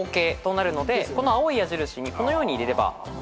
この青い矢印にこのように入れれば。